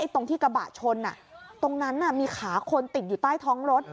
ตรงที่กระบะชนตรงนั้นมีขาคนติดอยู่ใต้ท้องรถ